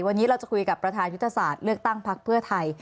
วันนี้เราจะคุยกับประธานยุทธศาสตร์เลือกตั้งพักเพื่อไทย